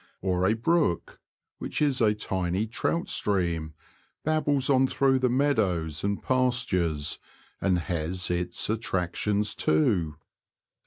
Or a brook, which is a tiny trout stream, babbles on through the meadows and \ pastures, and has its attractions too.